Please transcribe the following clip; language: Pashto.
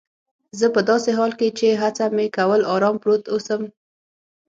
زه په داسې حال کې چي هڅه مې کول آرام پروت اوسم.